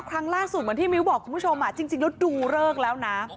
ครั้งล่าสุดเหมือนที่มิ้วบอกคุณผู้ชมจริงแล้วดูเลิกแล้วนะ